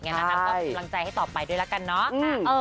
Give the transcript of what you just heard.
ก็เป็นกำลังใจให้ต่อไปด้วยละกันเนาะ